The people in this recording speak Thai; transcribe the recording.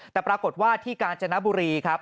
แต่ปรากฏว่าที่กาญจนบุรีครับ